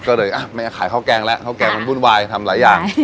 ก็เลยอ่ะไม่ขายข้าวแกงแล้วข้าวแกงมันวุ่นวายทำหลายอย่าง